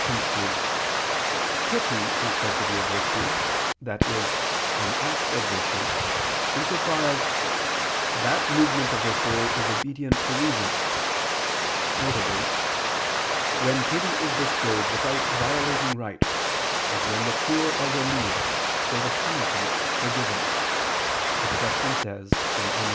3: Pity is said to be a virtue, i.e. an act of virtue, in so far as "that movement of the soul is obedient to reason"; viz. "when pity is bestowed without violating right, as when the poor are relieved, or the penitent forgiven," as Augustine says (De Civ.